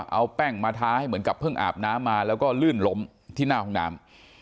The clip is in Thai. เอาแป้งมาท้าให้เหมือนกับเพิ่งอาบน้ำมาแล้วก็ลื่นล้มที่หน้าห้องน้ำ